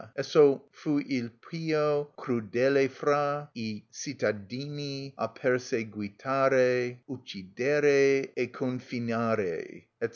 Esso fu il più crudele fra i cittadini a perseguitare, uccidere e confinare_," &c.